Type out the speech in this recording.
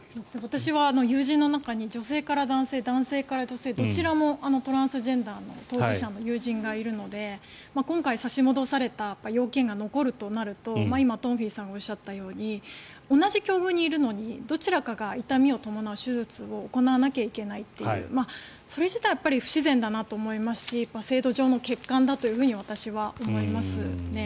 私は友人の中に女性から男性、男性から女性どちらもトランスジェンダーの当事者の友人がいるので今回、差し戻された要件が残るとなると今、東輝さんがおっしゃったように同じ境遇にいるのに、どちらかが痛みを伴う手術を行わなければいけないというそれ自体は不自然だなと思いますし制度上の欠陥だと私は思いますね。